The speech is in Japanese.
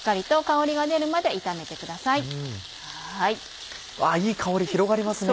わぁいい香り広がりますね。